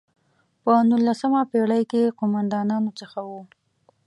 په نولسمه پېړۍ کې قوماندانانو څخه وو.